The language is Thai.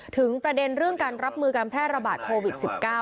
ประเด็นเรื่องการรับมือการแพร่ระบาดโควิด๑๙